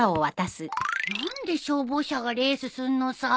何で消防車がレースすんのさ。